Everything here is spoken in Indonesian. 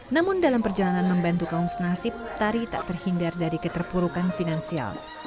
namun dalam perjalanan membantu kaum senasib tari tak terhindar dari keterpurukan finansial